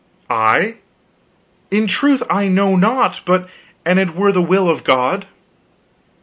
"I? In truth I know not, but an it were the will of God."